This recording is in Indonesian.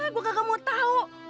gua gak mau tau